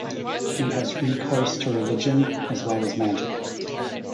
He has recourse to religion as well as magic.